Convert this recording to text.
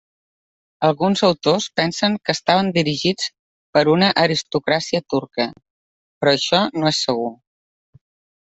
Alguns autors pensen que estaven dirigits per una aristocràcia turca, però això no és segur.